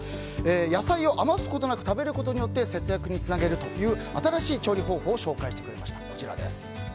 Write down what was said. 野菜を余すことなく食べることで節約につなげる新しい調理方法を紹介してくれました。